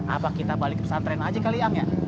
apa kita balik ke pesantren aja kali ya am ya